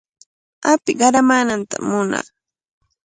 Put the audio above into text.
Api qaramaanantami munaa.